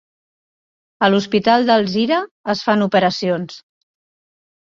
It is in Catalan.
A l'Hospital d'Alzira es fan operacions